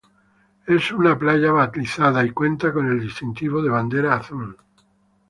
Es una playa balizada y cuenta con el distintivo de Bandera Azul.